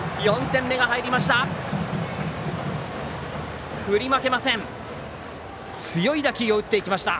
４点目が入りました。